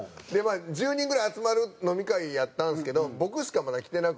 １０人ぐらい集まる飲み会やったんですけど僕しかまだ来てなくて。